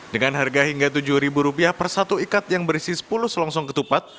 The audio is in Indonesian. dengan harga hingga rp tujuh per satu ikat yang berisi sepuluh selongsong ketupat